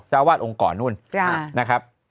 เจ้าอาวาสองค์ก่อนนู่นนะครับ